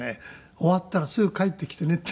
「終わったらすぐ帰ってきてね」って言われて。